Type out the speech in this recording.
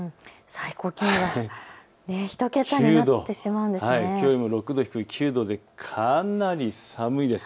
最高気温が９度、きょうよりも６度低い９度でかなり寒いです。